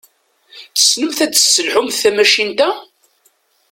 Tessnemt ad tesselḥumt tamacint-a?